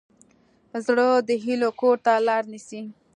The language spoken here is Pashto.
زړه د هیلو کور ته لار نیسي.